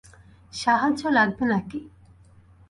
সাহায্য লাগবে নাকি?